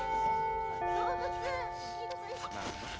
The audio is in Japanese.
動物。